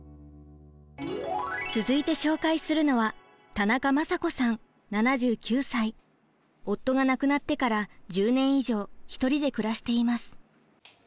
続いて紹介するのは夫が亡くなってから１０年以上一人で暮らしています。